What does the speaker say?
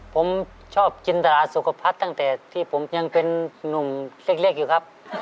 ผมชอบจินตราสุขภัทรตั้งแต่ที่ผมยังเป็นนุ่มเล็กอยู่ครับ